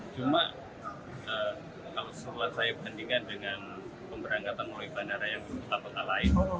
cuma kalau saya bandingkan dengan pemberangkatan oleh bandara yang kita bekalai